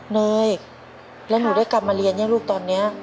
เนยแล้วหนูได้กลับมาเรียนยังลูกตอนนี้